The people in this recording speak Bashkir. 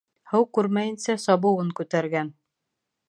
Һыу күрмәйенсә сабыуын күтәргән.